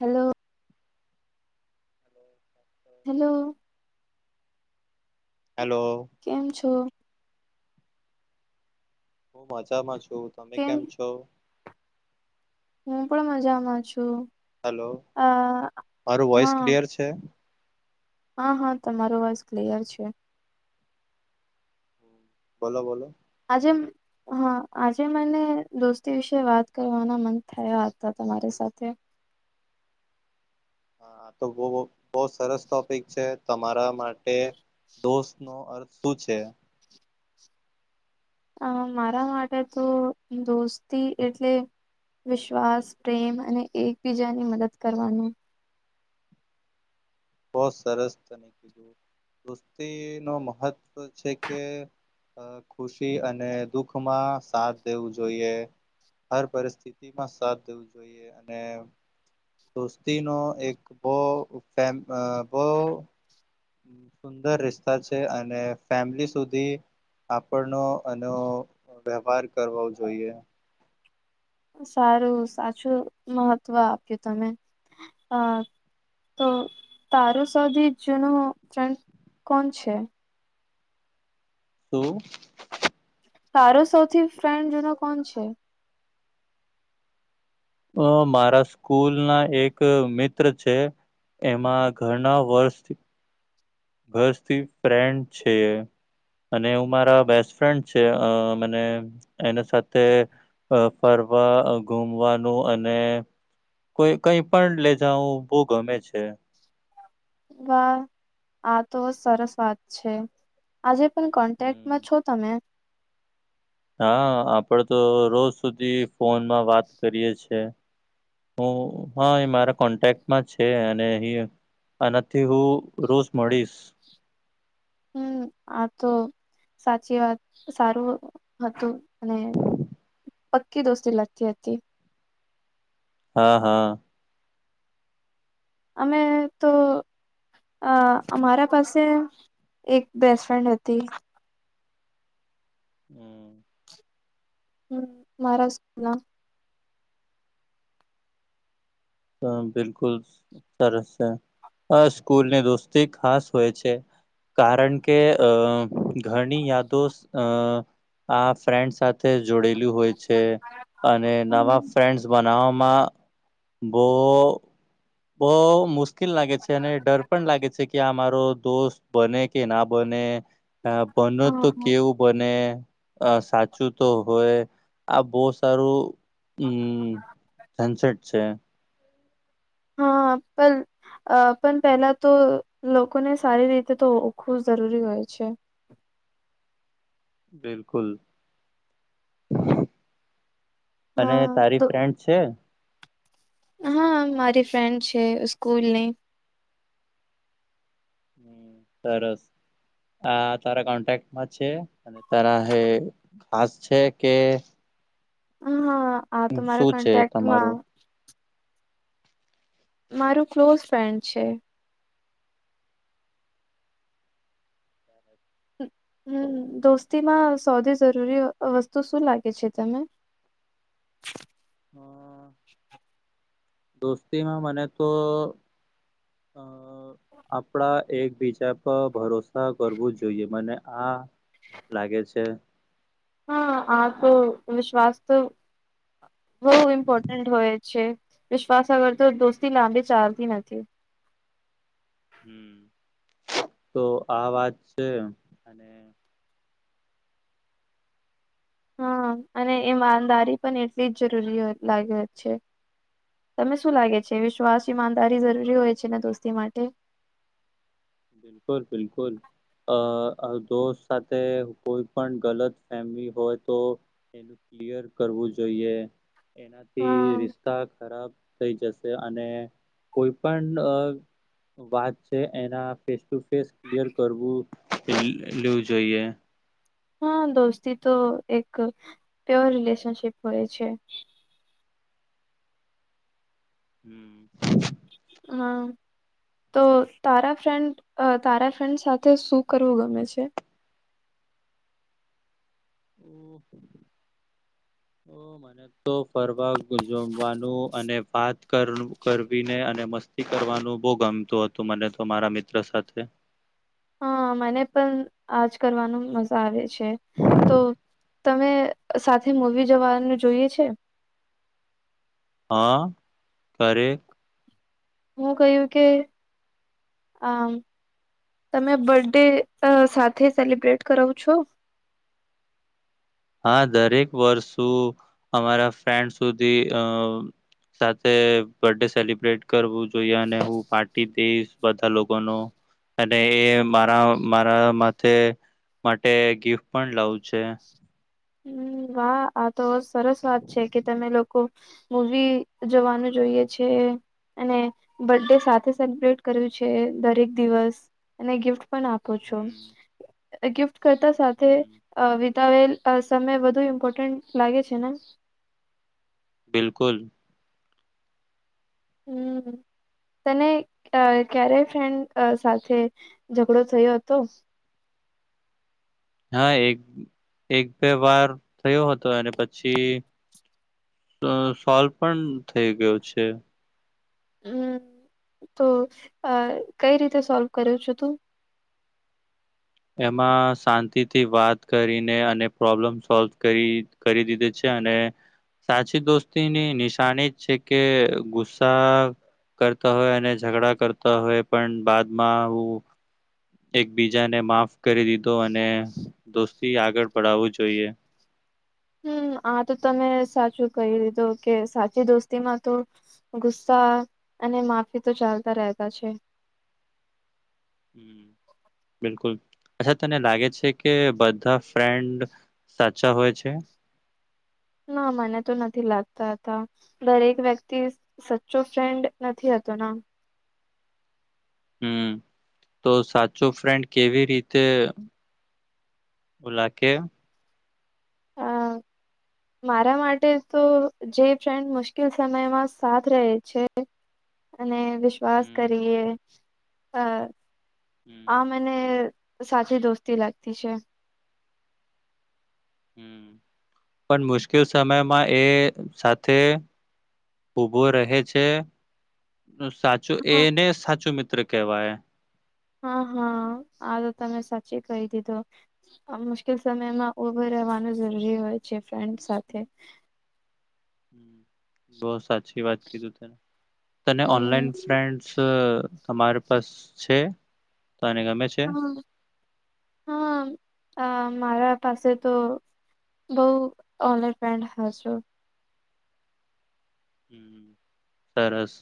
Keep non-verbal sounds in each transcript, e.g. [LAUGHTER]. Hello hello! Hello કેમ છો? હું મજામાં છું‌‌. તમે કેમ છો? હું પણ મજામાં છું. હાલો અ મારું વોઇસ હા ક્લિયર છે? હા હા તમારો વાઇસ ક્લિયર છે. બોલો બોલો. આજે હા આજે મને દોસ્તી વિશે વાત કરવાનો મન થયો હતો તમારી સાથે. હા આ તો બો સરસ ટોપિક છે. તમારા માટે દોસ્ત નો અર્થ શું છે? અ મારા માટે તો દોસ્તી એટલે વિશ્વાસ પ્રેમ અને એકબીજાની મદદ કરવાનું બહું સરસ દોસ્તીનું મહત્વ છે કે ખુશી અને દુઃખમાં સાથ દેવું જોઈએ. હર પરિસ્થિતિમાં સાથ દેવું જોઈએ અને દોસ્તીનો એક બહુ ફેમ બહુ સુંદર રિસ્તા છે અને ફેમિલી સુધી આપણનો એનો વ્યવહાર કરવો જોઈએ. સારું સાચું મહત્વ આપ્યું તમે અ તો તારું સૌથી જૂનું ચાહિતું કોણ છે? શું? તારો સૌથી ફ્રેન્ડ જૂનો કોણ છે? અ મારા સ્કૂલના એક મિત્ર છે. એમાં ઘણાં વર્ષ વર્ષ થી ફ્રેન્ડ છે. અને અમારા બેસ્ટ ફ્રેન્ડ છે અ મને એના સાથે અ ફરવા ઘુમવાનું અને કોઈ કઈ પણ લે જાવું બહુ ગમે છે. વાહ આ તો સરસ વાત છે. આજે પણ કોન્ટેક્ટમાં છો તમે? હા આપણે તો રોજ સુધી ફોનમાં વાત કરીએ છે. હા એ મારા કોન્ટેક્ટ છે અને અહી આનાથી હું રોજ મળીશ. હમ આ તો સાચી વાત સારું હતું. અને પક્કી દોસ્તી લગતી હતી. હા! હા! અમે તો અ મારા પાસે એક બેસ્ટફ્રેન્ડ હતી. હમ! હમ મહારાષ્ટ્ર ના હ બિલકુલ સરસ છે. આ સ્કૂલ ની દોસ્તી ખાસ હોય છે. કારણ કે અ ઘણી યાદો આ ફ્રેન્ડ સા જોડેલી હોય છે અને નવા હમ, ફ્રેન્ડસ બનાવવામા બો બહુ મુશ્કેલ લાગે છે અને ડર પણ લાગે છે કે આ મારો દોસ્ત બને કે ના બને તો હા કેવું? બને સાચું તો હોય આ બહુ સારું હમ સનસેટ છે. હા પણ અ પણ પહેલા તો લોકોને સારી રીતે તો ઓખવું જરૂરી હોય છે. બિલકુલ. અને હા તારી તો ફ્રેન્ડ છે? હા મારી ફ્રેન્ડ છે સ્કૂલની. સરસ. આ તારા કોન્ટેક્ટમાં છે અને તારા ખાસ છે કે હા આ તો મારા શું છે કોન્ટેક્ટમાં તમારો મારું ક્લોઝ ફ્રેન્ડ છે. હ દોસ્તીમાં સૌથી જરૂરી વસ્તુ શું લાગે છે તમે? હા દોસ્તીમાં મને તો અ [INAUDIBLE] આપણા એકબીજા પર ભરોસા કરવું જોઈએ મને આ લાગે છે. હા આ તો વિશ્વાસ તો બહુ ઇમ્પોર્ટન્ટ હોય છે, વિશ્વાસ આગળ તો દોસ્તી લાંબી ચાલતી નથી હમ તો આ વાત છે. અને હા અને ઈમાદારી પણ એટલી જ જરૂરી લાગે છે. તમે શું લાગે છે, વિશ્વાસ ઈમાનદારી જરૂરી હોય છે ને દોસ્તી માટે બિલકુલ બિલકુલ અ દોસ્ત સાથે કોઈ પણ ગલત ફેમિલી હોય, તો ક્લયર કરવું જોઈએ એનાથી હા રિસ્તા ખરાબ થ જ કોઈ પણ વાત છે, એના ફેસ ટુ ક્લિયર કરવું એ લેવું જોઈએ હા દોસ્તી તો એક પ્યોર રિલેશનશીપ હોય છે. હમ હા તો તારા ફ્રેન્ડ તારા ફ્રેન્ડ સાથે શું કરવું ગમે છે. ઓ મને તો ફરવા જમવાનું અને વાત કરવીને અને મસ્ત કરવાનું બહુ ગમતુ હતુ, મને તો મારા મિત્ર સાથે હા મને પણ આજ કરવાનું મજા આવે છે, તો તમે સાથે મવી જવાનું જોઈએ છે. હા કર હુ કહ્યુ કે આ તમે બર્થ ડે સાથે સેલિબ્રેટ કરાવો છો. હા દરેક વર્ષું અમારા ફન્ડ સુધી અ સાથે બર્થ ડે સેલિબ્રેટ કરવું જોઈએ, અને હુ પાર્ટી દઈશ બધા લોકોનો અને એ મારા મારા માથે માટે ગિફ્ટ પણ લાવુ છે. હમ વાહ આ તો સરસ વાત છે, કે તમે લોકો મવી જવાનું જોઈએ છે. અને બર્ ડે સાથે સેલિબ્રેટ કર્યું છે, દરેક દિવસ અને ગિફ્ટ પણ આપ છો હમ ગિફ્ટ કરતા સાથે હમ વિતાવેલ અ સમય વધુ ઇમ્પોર્ટન્ટ લાગે છેને. બિલકુલ હમ્મ તને ક્યારેય ફ્રેન્ડ સાથે ઝઘડો થયો હતો. હા એક એક બે વાર થયો હતો અને પછી સોલ્વ પણ થઈ ગયો છે. હમ તો કઈ રીતે સોલ્વ કર્યો છુ, તુ એમાં શાંતિથી વાત કરીને અને પ્રોબ્લમ સોલ્વ કરી કરી દીધું છે, અને સાચી દોસ્તીની નિશાની જ છે કે ગુસ્સા કરતા હોય અને ઝઘડા કરતા હોય, પણ બાદમા હુ એકબીજાને માફ કરી દીધો અને દોસ્તી આગળ પડાવવું જોઈએ. હમ આ તો તમે સાચું કહી દીધું કે સાચી દોસ્તીમાં તો ગુસ્સા અને માફી તો ચાલતા રહેતા છે. હ બિલકુલ અચ્છા તને લાગે છે કે બધા ફ્રેન્ડ સાચા હોય છે. ના મને તો નથી લાગતા હતા દરેક વ્યક્તિ સચ્ચો ફ્રેન્ડ નથી હતો ના હમ તો સાચો ફ્રેન્ડ કેવી રીતે ઓલા કે હ મારા માટે તો જે ફ્રેન્ડ મુશ્કેલ સમયમાં સાથ રહે છે. અને વિશ્વાસ હમ કરીએ અ હમ આ ને સાચી દોસ્તી લાગતી છે. હમ પણ મુશ્કેલ સમયમાં એ સાથે ઉભો રહે છે સાચું હા એને સાચું મિત્ર કહેવાય હા હા આ તો તમે સાચી કહી દીધો આ મુશ્કેલ સમયમાં ઉભો રહેવાનું જરૂરી હોય છે ફ્રેન્ડ સાથે બ સાચી વાત કીધ તને ઓનલાઈન હમ ફ તમારે પાસ છે તો ગમે છે હમ હા આ મારા પાસે તો બઉ ઓલર પેન્ટ હ છ સરસ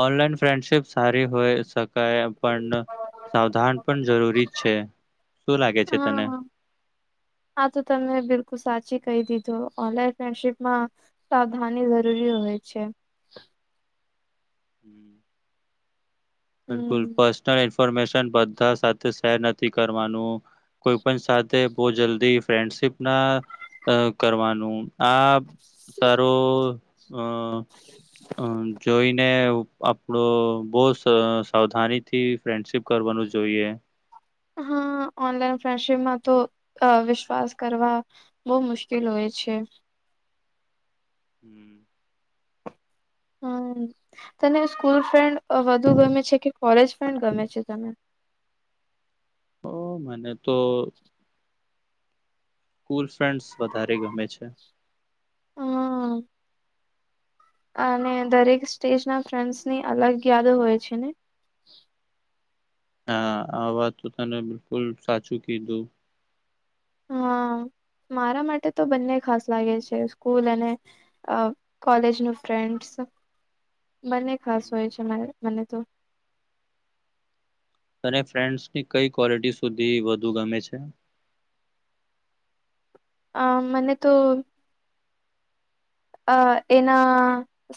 ઓનલાઈન ફ્રેન્ડશીપ સારી હોય શકાય પણ સાવધાન પણ જરૂરી જ છે શું લાગે છે તને આા તો તમે બિલકુલ સાચી કહી દીધું ઓનલાઈન ફ્રેન્ડશીપમાં સાવધની જરૂરી હોય છે. હમ બિલકુલ હમ પર્સનલ ઇન્ફોર્મેશન બધા સાથે શેર નથી કરવાનું. કોઈ પણ સાથે બહ જલ્દી ફ્રેન્ડશીપ ના કરવાનું આ સારું જોઈને આપણો બહુ સાવધાનીથી ફ્રેન્ડશીપ કરવાનું જોઈએ હા ઓનલાઈન ફ્રેન્ડશીપમાં તો વિશ્વાસ કરવા બહુ મુશ્કેલ હોય છે. હમ હમ તને સ્કૂલ ફ્રેન્ડ વધુ ગમે છે કે કોલેજ ફ્રેન્ડ ગમે છે તમે ઓ મને તો સ્કૂલ ફ્રેન્ડ્સ વધારે ગમે છે. હમ અને દરેક સ્ટેજ ના ફ્રેન્ડ્સ ની અલગ યાદો હોય છે ને હા આ વાત તો તને બિલકુલ સાચું કીધું હા મારા માટે તો બંને ખાસ લાગે છે સ્કૂલ અને અ કોલેજ ન ફ્રેન્ડસ બને ખાસ હોય છે મને તો તને ફ્રેન્ડસની કઈ ક્લિટી સુધી વધુ ગમે છે. અ મને તો અ એના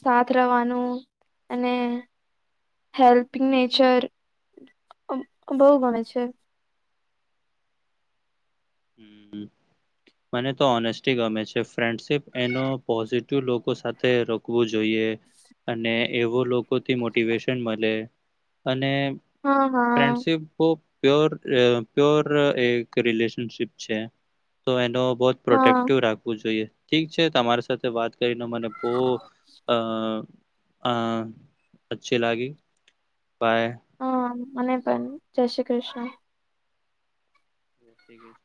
સાથ રવાનું અને હેલ્પિંગ નેચર બહુ ગમે છે. મને તો ઓનેસ્ટી ગમે છે ફ્રેન્ડશપ એનો લોકો સાથે રોકવું જોઈએ અને એવો લોકોથી મોટિવેશન મળે અને હા હા ફ્રેન્ડશીપ બ પર પ્યોર એક રિલેશનશીપ છે. તો એનો બહ હા પ્રોટેક્ટિવ રાખવું જોઈએ ઠીક છે તમારી સાથે વાત કરીને મને બહ અ હા અચ્છી લાગી પાય હા મને પણન જય શ્રી કૃષ્ણ. છે.